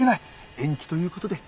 延期という事で。